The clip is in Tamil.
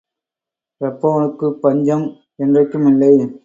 இரப்பவனுக்குப் பஞ்சம் என்றைக்கும் இல்லை.